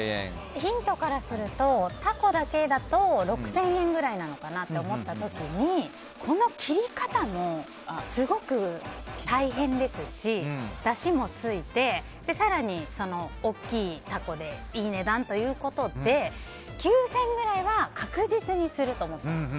ヒントからするとタコだけだと６０００円ぐらいなのかなと思った時に、この切り方もすごく大変ですしだしもついて更に、大きいタコでいい値段ということで９０００円くらいは確実にすると思ったんですよ。